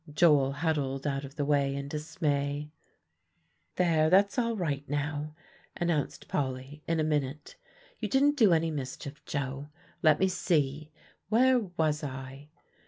Joel huddled out of the way in dismay. "There, that's all right now," announced Polly in a minute; "you didn't do any mischief, Joe. Let me see, where was I?"